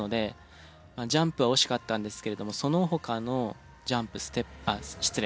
ジャンプは惜しかったんですけれどもその他のジャンプステップあっ失礼。